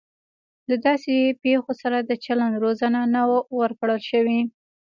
د داسې پیښو سره د چلند روزنه نه وه ورکړل شوې